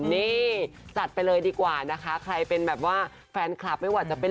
นี่จัดไปเลยดีกว่านะคะใครเป็นแบบว่าแฟนคลับไม่ว่าจะเป็น